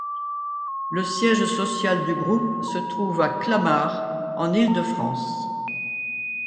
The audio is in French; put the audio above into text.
Le siège social du groupe se trouve à Clamart en Île-De-France.